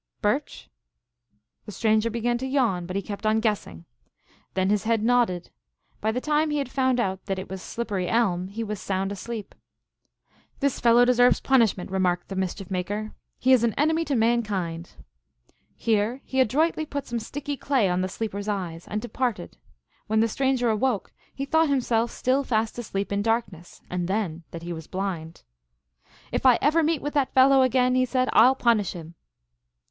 "Birch?" The stranger began to yawn, but he kept on guess ing. Then his head nodded. By the time he had found out that it was slippery elm he was sound asleep. " This fellow deserves punishment," remarked the Mischief Maker. "He is an enemy to mankind." Here he adroitly put some sticky clay on the sleep er s eyes, and departed. When the stranger awoke he thought himself still fast asleep in darkness, and then that he was blind. " If ever I meet with that fellow again," he said, "I 11 punish him!"